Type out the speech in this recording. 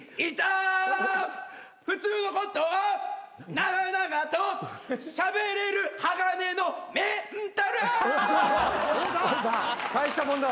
「普通のことを長々としゃべれる鋼のメンタル」大したもんだ。